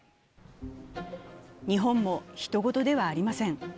日本もひと事ではありません。